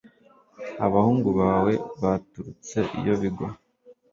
abahungu bawe baturutse iyo bigwa,